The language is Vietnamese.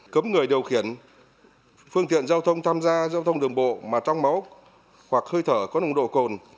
cấm người điều khiển phương tiện giao thông tham gia giao thông đường bộ mà trong máu hoặc hơi thở có nồng độ cồn